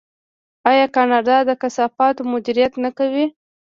آیا کاناډا د کثافاتو مدیریت نه کوي؟